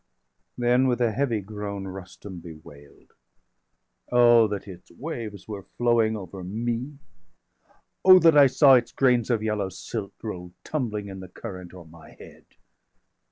Then, with a heavy groan, Rustum bewail'd: "Oh, that its waves were flowing over me! Oh, that I saw its grains of yellow silt Roll tumbling in the current o'er my head!"